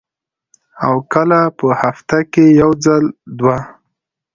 او کله پۀ هفته کښې یو ځل دوه ـ